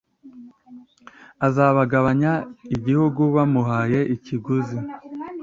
azabagabanya igihugu bamuhaye ikiguzi